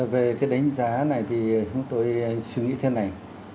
về cái đánh giá này thì chúng tôi suy nghĩ thế này